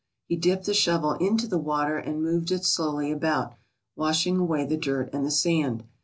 He dipped the shovel into the water and moved it slowly about, washing away the dirt and the sand.